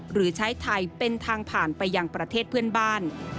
หรือใช้ไทยเป็นทางผ่านไปยังประเทศเพื่อนบ้าน